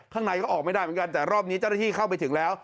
ข้างในก็ออกไม่ได้เหมือนกันแต่รอบนี้เจ้าหน้าที่เข้าไปถึงแล้ว